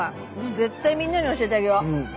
絶対みんなに教えてあげよう。